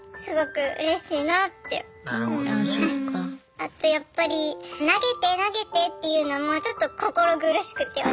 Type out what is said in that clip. あとやっぱり投げて投げてって言うのもちょっと心苦しくて私は。